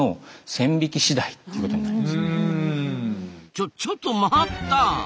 ちょちょっと待った！